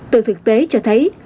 từ thực tế cho thấy